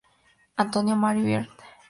Antonio María Barbieri.